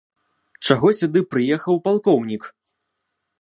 Чаго сюды прыехаў палкоўнік?